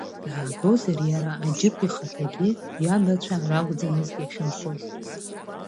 Даагозар, иара Аџьықә ихаҭагьы, иабацәа ара акәӡамызт иахьынхоз.